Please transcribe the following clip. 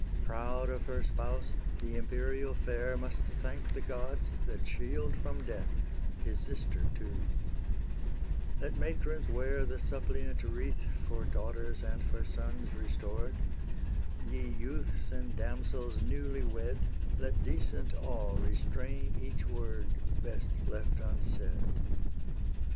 Proud of her spouse, the imperial fair Must thank the gods that shield from death; His sister too: let matrons wear The suppliant wreath For daughters and for sons restored: Ye youths and damsels newly wed, Let decent awe restrain each word Best left unsaid.